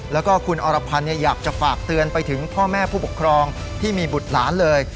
แล้วก็คุณอรพันธ์อยากจะฝากเตือนไปถึงพ่อแม่ผู้ปกครองที่มีบุตรหลานเลย